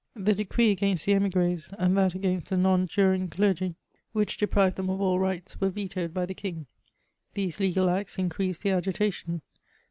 The decree agasnst the emiffrh, and that against the non juring clergy, which deprived them of all rights, were vetoed by the king. These legal acts increased the agitation.